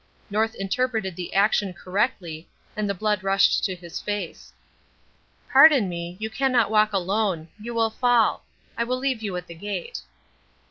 North interpreted the action correctly, and the blood rushed to his face. "Pardon me, you cannot walk alone; you will fall. I will leave you at the gate."